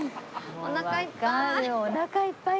おなかいっぱい。